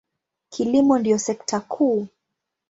Kilimo ndiyo sekta kuu.